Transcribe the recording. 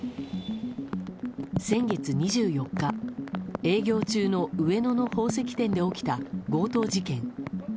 先月２４日、営業中の上野の宝石店で起きた強盗事件。